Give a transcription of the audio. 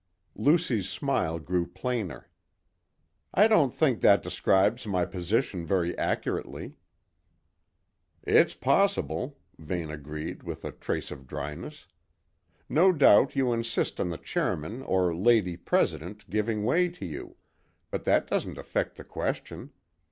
Lucy's smile grew plainer. "I don't think that describes my position very accurately." "It's possible," Vane agreed with a trace of dryness. "No doubt you insist on the chairman or lady president giving way to you; but that doesn't affect the question.